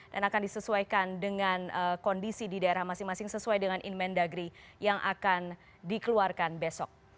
dan akan disesuaikan dengan kondisi di daerah masing masing sesuai dengan inmen dagri yang akan dikeluarkan besok